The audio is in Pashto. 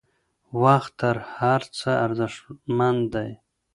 وخت تر هر څه ارزښتمن دی.